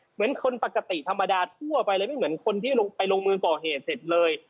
เหมือนคนปกติธรรมดาทั่วไปเลยไม่เหมือนคนที่ลงไปลงมือก่อเหตุเสร็จเลย